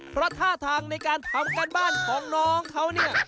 เพราะท่าทางในการทำการบ้านของน้องเขาเนี่ย